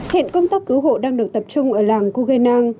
hiện công tác cứu hộ đang được tập trung ở làng kugenang